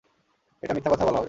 এটা মিথ্যা কথা বলা হবে।